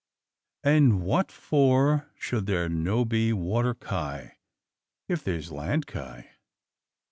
"And what for should there no be water kye, if there 's land kye?"